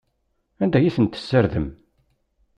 Anda ay ten-tessardem?